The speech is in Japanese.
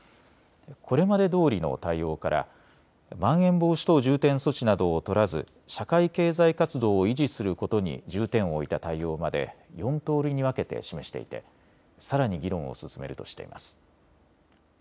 これまでどおりの対応からまん延防止等重点措置などを取らず社会経済活動を維持することに重点を置いた対応まで４通りに分けて示していてさらに議論を進めるとしています。